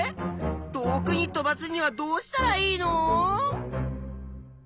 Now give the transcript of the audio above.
遠くに飛ばすにはどうしたらいいの？